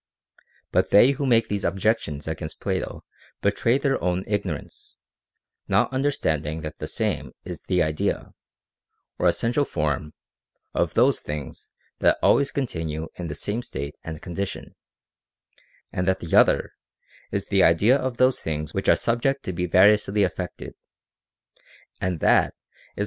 But they who make these ob jections against Plato betray their own ignorance, not understanding that the Same is the idea (or essential form) of those things that always continue in the same state and condition, and that the Other is the idea of those things which are subject to be variously affected ; and that it is the 356 OF THE PROCREATION OF THE SOUL.